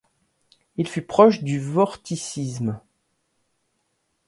Il fut proche du vorticisme.